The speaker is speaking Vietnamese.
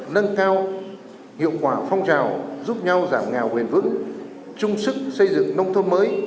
nâng cao hiệu quả phong trào giúp nhau giảm ngào huyền vững trung sức xây dựng nông thôn mới